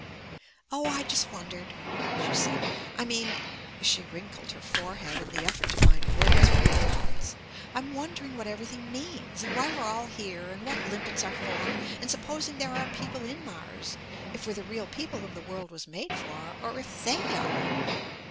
"Oh, I just wondered," she said. "I mean" she wrinkled her forehead in the effort to find words for her thoughts "I'm wondering what everything means, and why we're all here, and what limpets are for, and, supposing there are people in Mars, if we're the real people whom the world was made for, or if they are."